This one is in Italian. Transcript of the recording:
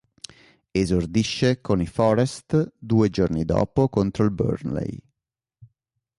Esordisce con i "Forest" due giorni dopo contro il Burnley.